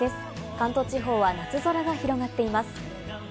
関東地方は夏空が広がっています。